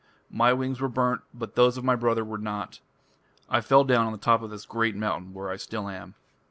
My wings were burnt, but those of my brother were not.... I fell down on the top of this great mountain, where I still am."